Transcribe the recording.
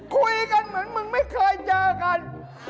คุยกันเหมือนมึงไม่เคยเจอกัน